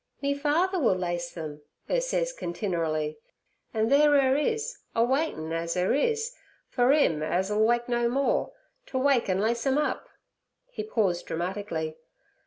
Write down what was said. "Me father will lace 'em," 'er says continerally. An' theere 'er is, a waitin' az 'er is, fer 'im as'll wake no more, to wake an' lace 'em up.' He paused dramatically.